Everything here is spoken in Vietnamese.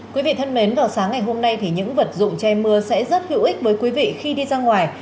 quý vị thân mến vào sáng ngày hôm nay thì những vật dụng che mưa sẽ rất hữu ích với quý vị khi đi ra ngoài